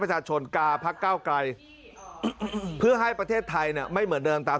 ประชาชนกาพักเก้าไกลเพื่อให้ประเทศไทยเนี่ยไม่เหมือนเดิมตาม